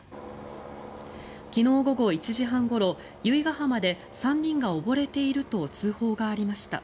昨日午後１時半ごろ由比ガ浜で３人が溺れていると通報がありました。